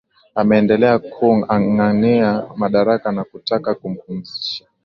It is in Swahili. ameendelea kung ang ania madaraka na kukataa kumpisha